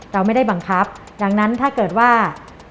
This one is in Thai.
เราไม่ได้บังคับดังนั้นถ้าเกิดว่า